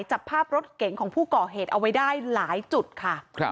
จับภาพรถเก๋งของผู้ก่อเหตุเอาไว้ได้หลายจุดค่ะ